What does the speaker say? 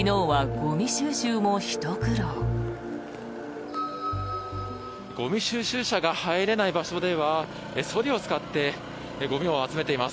ゴミ収集車が入れない場所ではそりを使ってゴミを集めています。